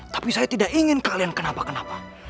tapi saya tidak ingin kalian kenapa kenapa